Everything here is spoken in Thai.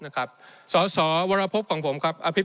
ในช่วงที่สุดในรอบ๑๖ปี